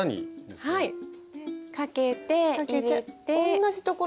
同じところに？